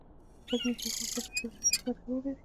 غزني د افغانستان په ستراتیژیک اهمیت کې رول لري.